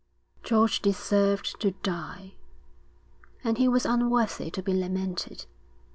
George deserved to die, and he was unworthy to be lamented.